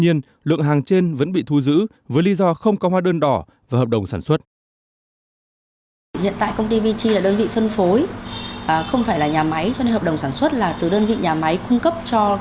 nên là toàn bộ giấy tờ của công ty vg là đơn vị phân phối